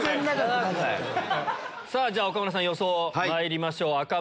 じゃ岡村さん予想まいりましょう。